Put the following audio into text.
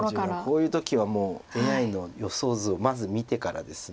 こういう時はもうＡＩの予想図をまず見てからです。